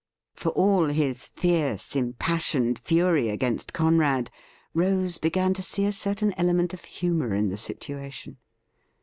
For all his fierce, impassioned fury against Conrad, Rose began to see a certain element of humoiu in the situation.